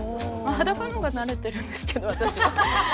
裸の方が慣れてるんですけど私。